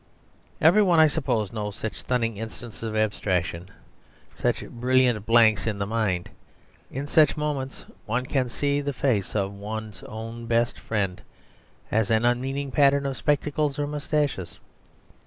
Every one, I suppose, knows such stunning instants of abstraction, such brilliant blanks in the mind. In such moments one can see the face of one's own best friend as an unmeaning pattern of spectacles or moustaches.